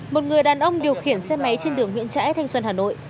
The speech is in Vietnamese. một người đàn ông điều khiển xe máy trên đường nguyễn trãi thanh xuân hà nội